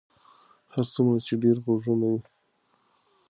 هر څومره چې ډېر غږونه وي.